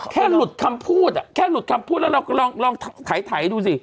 หลุดคำพูดแค่หลุดคำพูดแล้วเราก็ลองถ่ายดูสิ